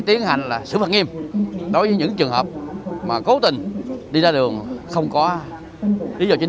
tiến hành xử phạt nghiêm đối với những trường hợp mà cố tình đi ra đường không có lý do chính